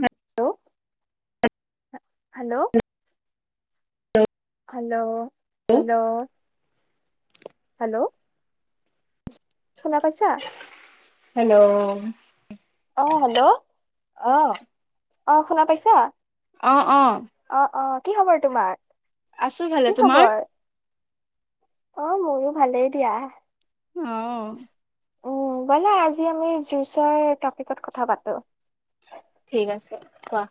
Hello hello hello hello hello hello শুনা পাইছা? Hello অ', হেল্লো' অঁ। অ', শুনা পাইছা? অঁ, অঁ। অ অ কি খবৰ তোমাৰ? আছো ভালে, কি তোমাৰ? খবৰ? অ' মোৰো ভালেই দিয়া। অহ। উম, বোলা আজি আমি যুচৰ টপিকত কথা পাতো। ঠিক আছে কোৱা।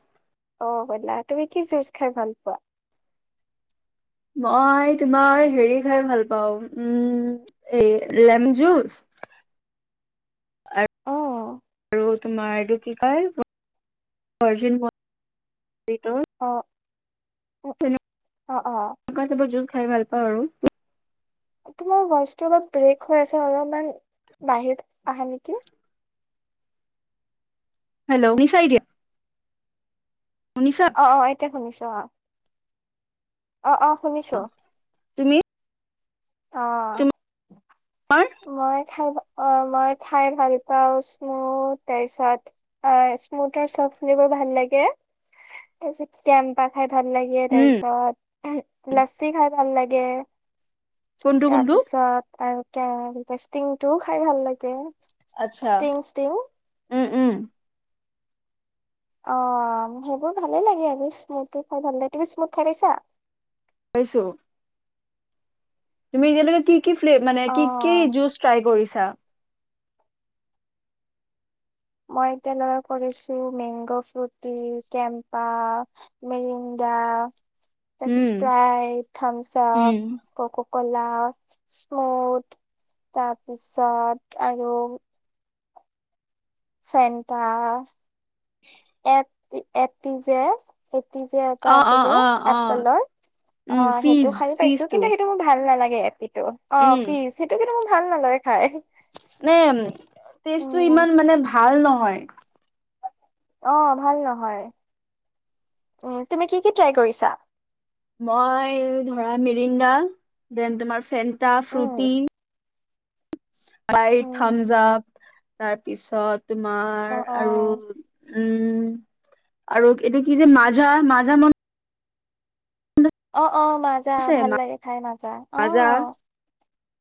অ' ক'লা তুমি কি জুচ খাই ভাল পোৱা? মই তোমাৰ হেৰি খাই ভাল পাওঁ, উম এ লেমন জুচ, উম আৰু তোমাৰ এইটো কি কয় ভৰ্জিন মহিট'। অ'। উ অ অ [unintelligible] খাই ভাল পাওঁ আৰু। তোমাৰ ভইচটো অলপ ব্ৰেক হৈ আছে, অলপমান বাহত আহা নেকি হেল্লো, শুনিছা এতিয়া? শুনিছা? অ অ এতিয়া শুনিছ অ [inaudible] অ' অ' শুনিছো [inaudible] তুমি অ' তোমাৰ মই খাই অ' মই খাই ভাল পাও স্মুথ তাৰ পিছত অ স্মুথৰ চবচুলিবোৰ ভাল লাগে তাৰপিছত ম পা। খাই ভাল লাগে তাৰ উম পিছত লচছি খাই ভাল লাগে। গে - কোনটো কোনটো? তাৰপিছত আৰু- ষ্টিং টোও খাই ভাল লাগে। আচ্ছা ষ্টিং ষ্টিং উম উম। অ' সেইবোৰ ভালেই লাগে আৰু স্মুথ খাই ভাল তুমি স্মুথ খাই পাইছা? পাইছোঁ। তুমি যেনেকে কি - কি ফ মে কি কি অ', জুচ ট্ৰাই কৰিছা? আটা [unintelligible] মই এতিয়া লগে কৰিছো মেংগ' ফ্ৰুতি, কেম্পা, মিৰিণ্ডা তাৰপিছত উম। স্প্ৰাইত উম থামছআপ কক কলা স্মুথ তাৰপিছত আৰু ফেনতা। এক এপি যে- যে এটা অ', আছে অ', যে অ', অ', এপেলৰ উম, অ' সেইটো ফিজ খাই পাইছো ফিজটো কিন্তু সেইটো মোৰ ভাল নালাগে। [unintelligible] অ' উম। ফিজ সেইটো কি- ভাল নালাগে- হয়। টেষ্ট টো ইমান মানে ভাল ন- হয়। অ' ভাল নহয়, উম তুমি কি কি ট্ৰাই কৰিছা? মই ধৰা মিৰিডা দেন তোমাৰ ফেন- তা উম ফ্ৰুটি- আই উম থামজাপ তাৰ পিছত- অ তোমাৰ অ আৰু উম- আৰু এটো কি যে মাজা মাজা অ অ মাজা আছে ভাল লাগে খাই মাজা মাজা অহ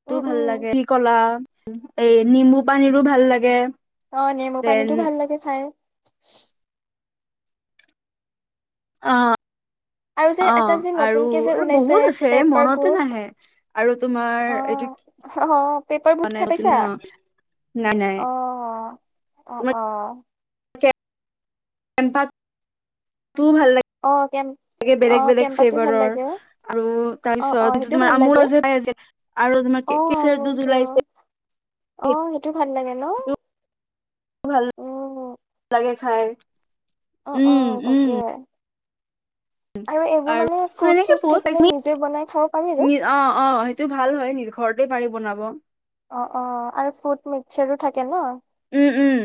টো উম ভাল উম। লাগে কি কলা এই নিম্বু পানীৰো ভাল লাগে। অ নেমু দেন পানীটো ভাল লাগে খাই। [unintelligible] অ আৰু যে এটা অ', যে আৰু নতুনকে যে আৰু ওলাইছে বহুত আছে পেপাৰ মনতে বুট নাহে। আৰু তোমাৰ অ এইটো আহ পেপাৰ বুট নাই খাই তুমি পাইছা, অ নাই নাই অ অ তোমাৰ অ অ কেম্পাত টো ভাল অ কেম লাগে অ বেলেগ বেলেগ কেম্পাতো ভাল ফ্লেভাৰৰ লাগে অ আৰু অ অ তাৰপিছত সেইটো তোমাৰ ভাল লাগে আমোলৰ যে পাই [unintelligible] আৰু তোমাৰ অ কেচৰ দুধ মোৰতো ওলাইছে অ সেইটো ভাল লাগে ন ভাল উম লাগে খাই অ অ উম উম তাকে এইবোৰ আৰু মানে ফ্ৰুট সেনেকে চুট [unintelligible] অ অ থাকিলে নিজে বনাই খাব পাৰি আৰু সেইটো ভাল হয় নিজ ঘৰতে পাৰি বনাব। অ' অ' আৰু ফুট মিক্সচাৰো থাকে ন? উম উম,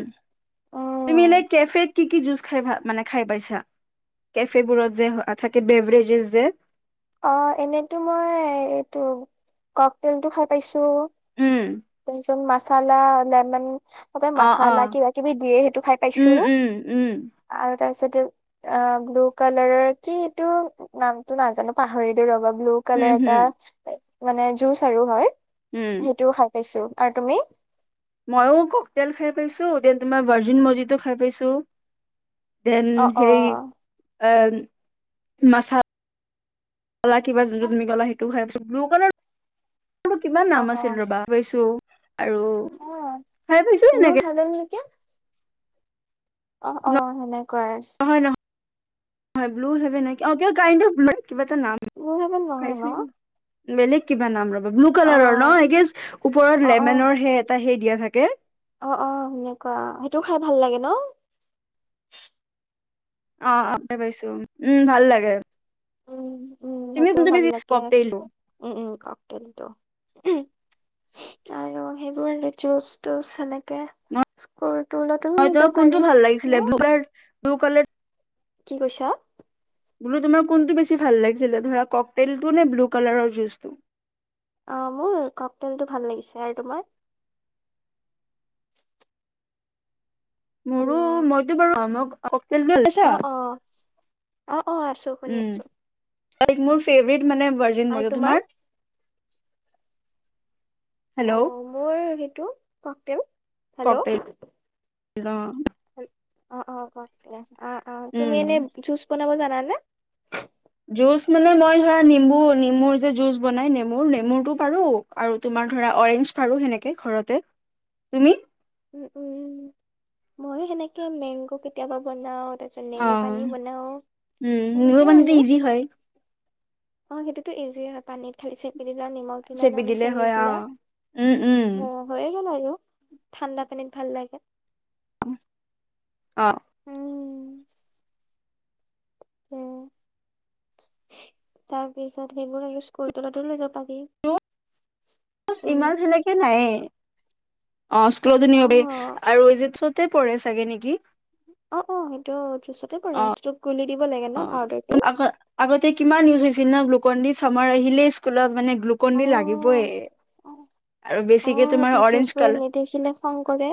তুমি এনে উম কেফে'ত কি কি জুচ খাই ভা মানে খাই পাইছা? কেফে বোৰত যে থাকে বেভৰেজেছ যে। অ' এনেতো মই এইটো কক'তেলটো খাই পাইছো। উম তো পাই মাছালা লেম'ন। তাতে অ অ মাছালা কিবা-কিবি দিয়ে, সেইটো খাই পাইছো। উম উম উম আৰু, তাৰপিছতে, অ' ব্লু কালাৰৰ কি এইটো নামটো নাজানো? পাহৰিলোঁ ৰ'বা! ব্লু উম হম কালাৰ এটা হম মানে জুচ আৰু হয় উম সেইটোও খাই পাইছো আৰু তুমি মইয়ো কক তেল খাই পাইছো এ তোমাৰ ভাৰ্জিন মছজিদো খাই পাইছো দেন অ অ সেই মাছাত কলা কিবা যোনটো তুমি ক'লা সেইটো খাই পাইছো ব্লু কালাৰ তোক কিমান অ নাম আছিল ৰবা পাইছো আৰু অ অ খাই পাইছো এনেকে [unintelligible] অ অ সেনে কোৱাছ হয় ব্লু হ নেকি কণ্ অফ ব্ল [unintelligible] বেলেগ কিবা নাম ব্লু অ কালাৰৰ ন এ গেষ্ট অ অ লেমেনৰ সে এটা স দিয়া থাকে অ অ সেনেকুৱা সেইটো খাই ভাল লাগে ন অ আগতে পাইছো উম ভাল লাগে উম উম তুমি মোকও কোনটো ভাল বেছি লাগে ককটেলটো উম উম ককটেলটো আৰু সেইবোৰ আৰু জুচ তুচ সেনেকে মই লৈ তোমাক যাব কোনটো পাৰি ভাল ন লাগিছিলে ব্লু ব্লু কালাৰ কি কৈছা বোলো তোমাৰ কোনটো বেছি ভাল লাগিছিলে ধৰা ককটলটো নে ব্লু কালাৰৰ জুচটো অ মোৰ কক তেলটো ভাল লাগিছে আৰু তোমাৰ মোৰো হেল্ল' মইতো বাৰু অ ককটেলটো লৈছা অ অ অ অ আছো শুনি উম আছো মোৰ ফেবেট অ মানে ভাৰ্জিন মই তোমাৰ অ হেল্ল' মোৰ সেইটো ককটেল হেল্ল' ককটেল অ অ অ কে অ অ তুমি উম এনে জুজ বনাব জানা ন নে জুচ মানে মই ধৰা নেম্বু নেমুৰ যে জুচ বনাই নেমুৰ নেমুৰতটো পাৰো আৰু তোমাৰ ধৰা অৰেঞ্জ পাৰো সেনেকে ঘৰতে তুমি উম উম ময়ো সেনেকে মেংগো কেতিয়াবা বনাও তাৰ পাছত নেমু অ পানী বনাও উম নিমু সেনেকেও পানীটো আৰু ইজি হয় অ' সেইটো জি পানীত খালিছে দিলা নিমখ চেপি দিমানল দিলে হয় অ চেনবিলা উম উম অ' হৈয়ে গল আৰু ঠাণ্ডা পানীক ভাল লাগে। অ' উম তাৰ পিছত সেইবোৰ আৰু স্কুল তলটো লৈ যাব তাকি, ইমান সেনেকে নাইে অ' স্কুলতো নিয়ম আৰু এই যে চত তে পঢ়ে চাগে নেকি অ' অ' সেইটো [unintelligible] অ কৰে তোক গুলি দিব লাগে ন অ' পাউদাৰটো। আগ আগতে কিমান নিউজ হৈছিল ন? [unintelligible] চামাৰ আহিলে স্কুলত মানে গ্লুকন অ দি লাগিবই। আৰু অ বেছিকে তোমাৰ অৰেঞ্জ টিচাৰ্চ বোৰে কালাৰ, নেদেখিলে খং কৰে।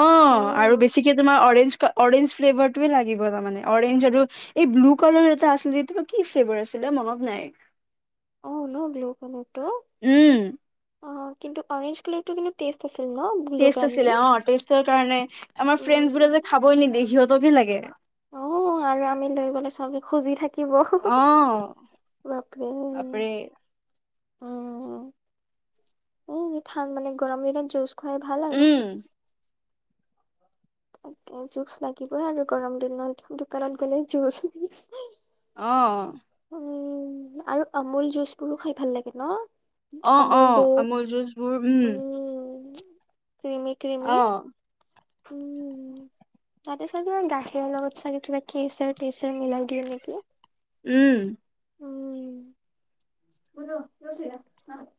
অ' আৰু উম বেছিকে তোমাৰ অ অৰেঞ্জ কা‌ অৰেঞ্জ ফ্লেভাৰটোৱে লাগিব মানে, অৰেঞ্জ আৰু এই ব্লু কলাৰৰ এটা আছিল, সেইটো বা কি ফ্লেভাৰ আছিলে‌ মনত নাই। অ'‌‌ ন [unintelligible] উম। অ' কিন্তু অৰেঞ্জ কালাৰ টো কিন্তু টেষ্ট আছিল ন ব্লু টেষ্ট আছিলে কালাৰটোৰ। অ' টেষ্টৰ কাৰণে, আমাৰ ফ্ৰেইণ্ডছ উম বো যে খাবই নিদে সিহঁত গি লাগে অ' আৰু আমি লৈ গলে চবে খুজি থাকিব অ বাপৰে। বাপৰে অ'। উ ঠাণ্ডা মানে গৰম দিনত জুচ খুৱাই ভাল আৰু। উম তাকে জুচ লাগিব আৰু গৰম দিনত, দোকানত গ'লে জুচ দি। অ' আৰু আমুল জুচ বোৰো খাই ভাল লাগে ন অ' আমুল অ' দুধ আমুল যুজবোৰ উম ক্ৰিমি ক্ৰিমি অ', উম তাতে চাগো গাখীৰৰ লগত চাগে কিবা কেচাৰ টচাৰ মিলাই দিলে নেকি? উম। [unintelligible]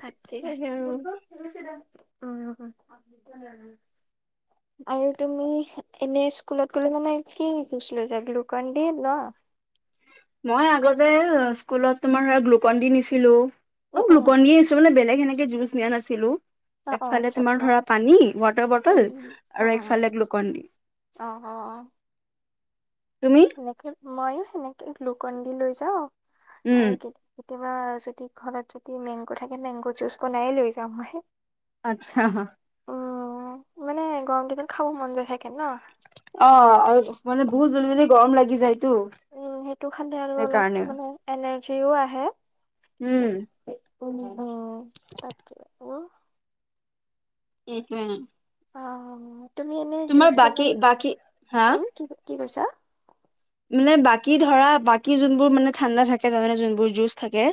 তাকেই। সেইহে আৰু। অঁ, আৰু তুমি এনে স্কুলত গ'লে মানে কি জোছ লৈ যোৱা গ্লুকন দিয়ে ন। মই আগতে স্কুলত তোমাৰ ধৰা গ্লুকন দি নিছিলো উম, আৰু উম, গ্লোকন দিয়ে আছলতে বেলেগ সেনেকে কে যুঁচ নিয়া নাছিলো। অ', অ', একফালে আচ্ছা, তোমাৰ আচ্ছা, ধৰা পানী ৱাটাৰ উম, বটল উম, উম, আৰু উম, একফালে গ্লুকন দি। অ', অ', তুমি? সেনেকে ময়ো সেনেকে গ্লুকন দি লৈ যাওঁ উম, আৰু কি কেতিয়াবা যদি ঘৰত যদি মেংগ' থাকে মেংগ জুচ বনাইয়ে লৈ যাওঁ মই। আচ্ছা হা। উম মানে গৰম দিনত খাব মন নাথাকে অঁ আৰু মানে বহুত জল্দি - জল্দি গৰম লাগি যায় উম, সেইটো খালে আৰু অলপ মানে এনাৰ্জিও আহে। উম, [inaudible] উম তাকে। আৰু [unintelligible] অ', তুমি এনে তোমাৰ জুচ বাকী বনালে, বাকী হা উম কি কি কৈছা। মানে বাকী ধৰা বাকী যোনবোৰ মানে ঠাণ্ডা থাকে তাৰমানে যোনবোৰ জুচ থাকে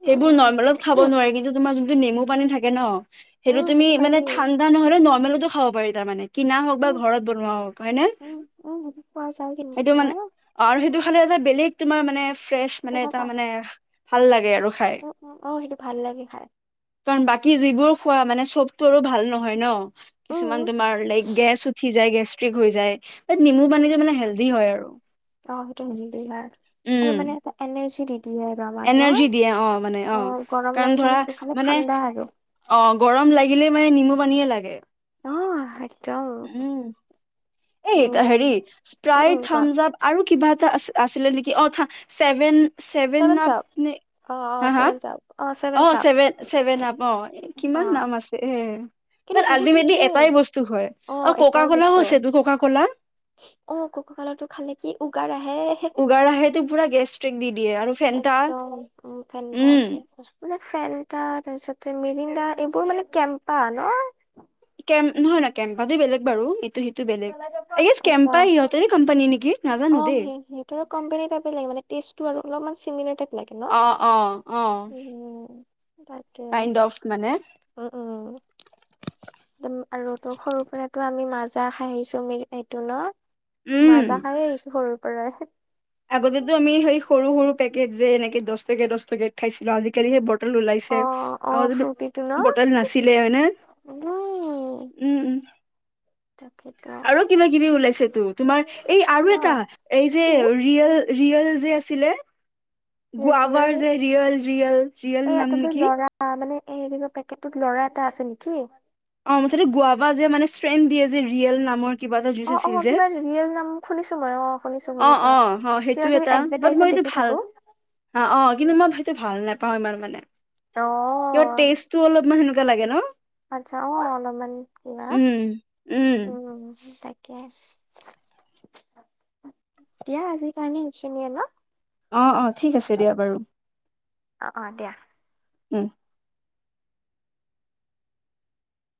উম, উম, সেইবোৰ নৰ্মেলত খাব উম, নোৱাৰি, কিন্তু তোমাৰ যুন টো নেমু পানী থাকে ন সেইটো উম, তুমি পাৰি মানে ঠাণ্ডা নহলেও নৰ্মেলট খাব পাৰি তাৰ মানে। কিনা হওক বা উম, ঘৰত বনোৱা হওক হয়নে, উম, উম, পোৱা যায় কিন্তু সেইটো মানে অঁ আৰু ন। সেইটো খালে এটা বেলেগ তোমাৰ মানে ফ্ৰেচ মানে এটা খাবা মানে ভাল লাগে গে আৰু খাই, উম উম অ সেইটো ভাল লাগে খাই কাৰণ বাকী যিবোৰ খোৱা মানে চব তৰুো ভাল নহয় ন। কিছুমান উম তোমাৰ লাইক গেছ উঠি যায় গেছ স্ত্ৰীক হৈ যায়। এই নেমু উম পানীটো মানে হেল্ডি হয় আৰু। অ' উম আৰু মান [unintelligible] [inaudible] এনাৰ্জি দিয়ে অ মানে অ' গৰম লাগি কাৰণ থাকিলে ধৰা সেইটো খালে মানে ঠাণ্ডা আৰু অ' গৰম লাগিলে মানে নিমু পানীয়ে লাগে। অ' হে উম এই উম হেৰি উম স্প্ৰাই উম কোৱা থাম আপ আৰু কিব এটা আ আছিলে নেকি অ' থা ছেভেন ছেভেন চেভেন আপ চাপ অ অ হা হা চেভেন চাপ চেভেন অ' চাপ ছেভেন চছেভেন আপ অ' অ কিমান নাম আছে হ ব কিন্তু সেইবোৰ টেষ্ট আল্টিমেটলি চেম এটাই বস্তু হয় অ আৰু ককা এটাই কলাও বস্তু আছে খলা [unintelligible] অ' কক কালৰ টো খালে কি উগাৰ আহে। সে উগাৰ আহেটো পুৰা গেষ্ট্ৰিক দি দিয়ে আৰু ফেন্টা একদম উ ফেনটা উম আছে মানে ফেনাতা তা পিছত মিৰিডা, এইবোৰ মানে কেম্পা ন? কেম্প নহয় নহয়, কেম্পাটো বেলেগ বাৰু। এইটো হিটো আচ্চা কোম্পানী নেকি নাজানো অ' দেই সেইটো আৰু কম্পেনী তেচটো আৰু অলপমান চিমি টাইপ লাগে ন অ' অ' অ' উম কাইণ্ড অফ মানে। উমম আৰু তো সৰু পৰাতটো আমি মাজা খাই আহিছো মেৰী এইটো ন? মাজা খাই আহিছোঁ সৰু পৰা আগতেটো আমি সেই সৰু সৰু পেকেজ যে এনেকে দহটকে দহটকে খাইছিলো, আজিকালি সেই ব বটল ওলাইছে, অ অ আৰু আগতেটো ফ্ৰুটিটো ন বটল নাছিলে হয়নে উম উম উম। তাকেতো আৰু কিবা কিবি ওলাইছে তো তোমাৰ এই আৰু অ এটা এই যে কি ৰিয়েল যে আছিলে গুয়াৱাৰ ৰিয়েল। ৰিয়েল ৰিয়েল এ নাম এটা যে নেকি ল'ৰা মানে এই পেকেটত লৰা এটা আছে নেকি? অ' মুঠতে গুয়াৱা যে মানে শ্ৰেন দিয়ে যে ৰিয়েল নামৰ কিবা এটা জুচ অ' আছিল অ' যে কিবা ৰিয়েল নাম শুনিছো মই অ' শুনিছো অ' শুনিছো অ' অ' সেইটো কিবা কিবি এটা বাট এডভাৰটাইজত মই এইটো দেখি ভাল থাকো অ' অ' কিন্তু মই সেইটো ভাল নাপাওঁ ইমান মানে কিবা অ টেষ্টটো অলপমান লাগে ন আচ্ছা অ' অলপমান কিবা উম উম দিয়া আজিৰ কাৰণে এইখিনিয়ে ন, অ' অ' ঠিক আছে দিয়া বাৰু অ' অ' দিয়া উম